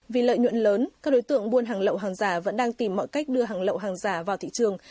vì lợi nhuận lớn các đối tượng buôn hàng lậu hàng giả vẫn đang tìm mọi cách đưa hàng lậu hàng giả vào thị trường